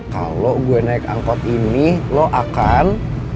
kalau gue naik angkot ini lo akan